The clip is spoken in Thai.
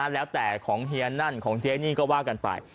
แล้วแต่ของเฮียนั่นของเจนี่ก็ว่ากันไป